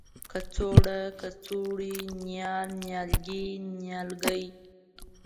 کڅوړه ، کڅوړې ،نیال، نيالګي، نیالګی